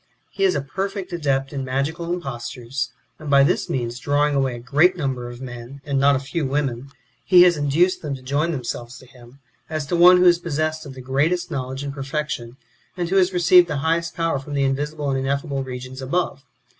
He is a perfect adept in magical impostures, and by this means drawing away a great number of men, and not a few women, he has induced them to join themselves to him, as to one who is possessed of the greatest knowledge and perfection, and who has received the highest power from the invisible and ineffable regions above.